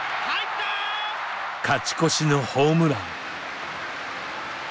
勝ち越しのホームラン。